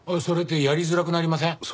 それってやりづらくなりません？